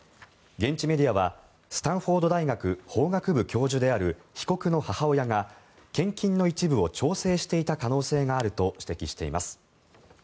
現地メディアはスタンフォード大学法学部教授である被告の母親が献金の一部を調整していた可能性があると指摘しています。